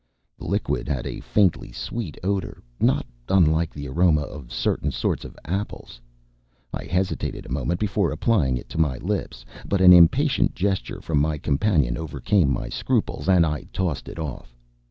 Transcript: The liquid had a faintly sweet odour, not unlike the aroma of certain sorts of apples. I hesitated a moment before applying it to my lips, but an impatient gesture from my companion overcame my scruples, and I tossed it off.